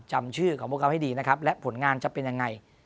จำชื่อของพวกเขาให้ดีนะครับและผลงานจะเป็นยังไง